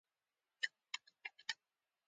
علي په رڼو سترګو کې دروغ وایي.